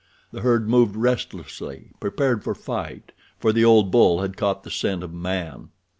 The herd moved restlessly, prepared for fight, for the old bull had caught the scent of man.